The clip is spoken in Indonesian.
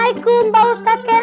pengguna p hémpir hempir padeo